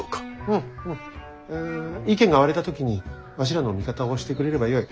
うんうんん意見が割れた時にわしらの味方をしてくれればよい。